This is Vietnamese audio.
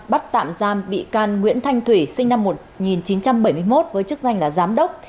bắt tạm giam bị can nguyễn thanh thủy sinh năm một nghìn chín trăm bảy mươi một với chức danh là giám đốc